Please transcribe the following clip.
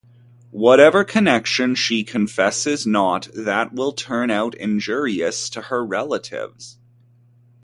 Whatever connection she confesses not, that will turn out injurious to her relatives.